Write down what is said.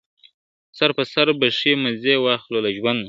سر پر سر به ښې مزې واخلو له ژونده ,